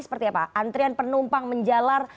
seperti apa antrian penumpang menjalar